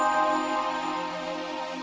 ada yang macam itu